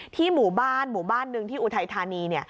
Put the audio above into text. หมู่บ้านหมู่บ้านหนึ่งที่อุทัยธานี